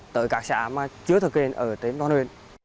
tới các xã mà chưa thực hiện ở tếm đoàn huyện